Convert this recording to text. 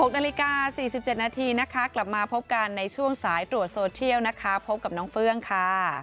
๖นาฬิกา๔๗นาทีนะคะกลับมาพบกันในช่วงสายตรวจโซเชียลนะคะพบกับน้องเฟื่องค่ะ